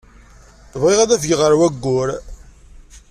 Bɣiɣ ad afgeɣ ɣer wayyur.